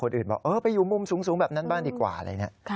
อื่นบอกเออไปอยู่มุมสูงแบบนั้นบ้างดีกว่าอะไรเนี่ย